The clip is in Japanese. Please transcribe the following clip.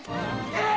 えっ！